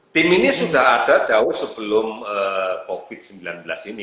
tim ini sudah ada jauh sebelum covid sembilan belas ini